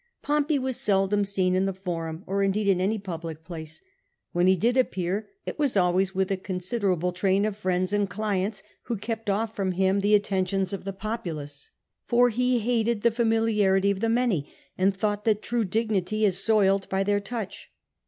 Pompey was seldom seen in the Forum, or indeed in any public place. When he did appear, it was always with a considerable train of friends and clients who kept off from him the attentions of the populace, for he hated the familiarity of the many, and thought that true dignity is soiled by their touch."